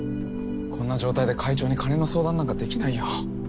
こんな状態で会長に金の相談なんかできないよ。